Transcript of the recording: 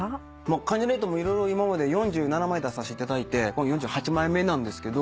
関ジャニ∞も色々今まで４７枚出させていただいて４８枚目なんですけど。